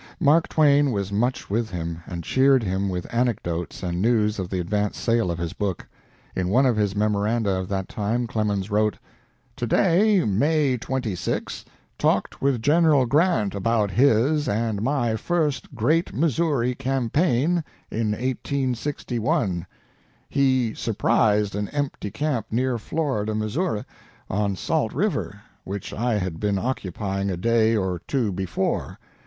Mark Twain was much with him, and cheered him with anecdotes and news of the advance sale of his book. In one of his memoranda of that time Clemens wrote: "To day (May 26) talked with General Grant about his and my first great Missouri campaign, in 1861. He surprised an empty camp near Florida, Missouri, on Salt River, which I had been occupying a day or two before.